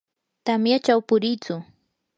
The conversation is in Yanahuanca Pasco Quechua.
tamyachaw puriitsu.